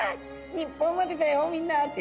「日本までだよみんな」って。